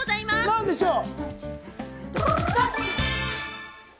何でしょう？